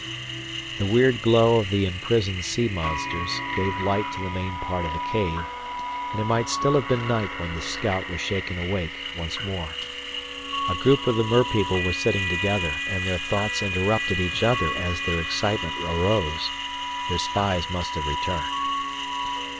The weird glow of the imprisoned sea monsters gave light to the main part of the cave, and it might still have been night when the scout was shaken awake once more. A group of the merpeople were sitting together, and their thoughts interrupted each other as their excitement arose. Their spies must have returned.